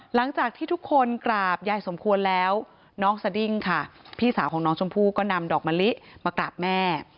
หลังจากที่ทุกคนกราบยายสมควรแล้วน้องสดิ้งค่ะพี่สาวของน้องชมพู่ก็นำดอกมะลิมากราบแม่